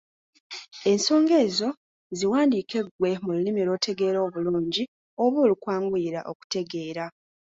Ensonga ezo ziwandiike ggwe mu lulimi lw'otegeera obulungi oba olukwanguyira okutegeera.